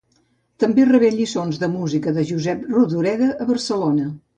També rebé lliçons de música de Josep Rodoreda, a Barcelona.